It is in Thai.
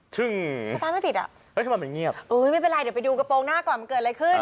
ซึ่งสตาร์ทไม่ติดอ่ะเอ้ยทำไมมันเงียบเอ้ยไม่เป็นไรเดี๋ยวไปดูกระโปรงหน้าก่อนมันเกิดอะไรขึ้น